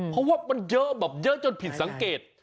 เพราะว่ามันเยอะแบบเยอะจนผิดสังเกต